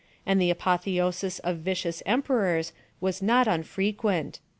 47 and the apotheosis of vicious emperors was not un frequent.